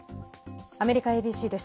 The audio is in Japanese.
アメリカＡＢＣです。